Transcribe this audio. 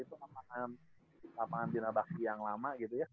itu lapangan bina bakti yang lama gitu ya